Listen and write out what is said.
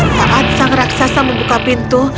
saat sang raksasa membuka pintu